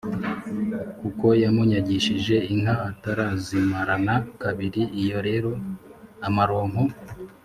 kuko yamunyagishije inka atarazimarana kabiri. Iyo rero amaronko